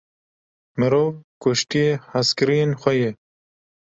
Mirov, kuştiye hezkiriyên xwe ye.